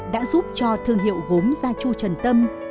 đã giúp cho thương hiệu gốm gia chu trần tâm